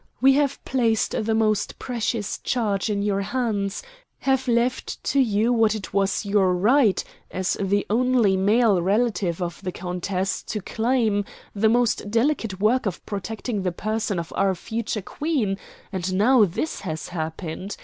We have placed the most precious charge in your hands, have left to you what it was your right, as the only male relative of the countess, to claim, the most delicate work of protecting the person of our future Queen; and now this has happened.